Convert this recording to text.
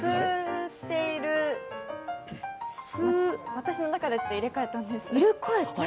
私の中では入れ替えたんですけど。